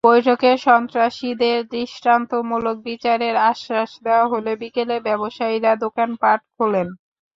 বৈঠকে সন্ত্রাসীদের দৃষ্টান্তমূলক বিচারের আশ্বাস দেওয়া হলে বিকেলে ব্যবসায়ীরা দোকানপাট খোলেন।